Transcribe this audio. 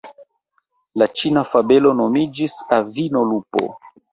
La ĉina fabelo nomiĝis "Avino Lupo".